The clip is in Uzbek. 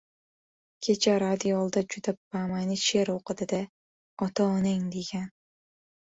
Kecha radiyolda juda ba’mani she’r o‘qidi-da, «Ota-onang» degan.